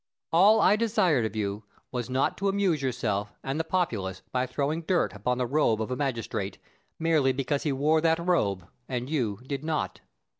Plato. All I desired of you was, not to amuse yourself and the populace by throwing dirt upon the robe of a magistrate, merely because he wore that robe, and you did not.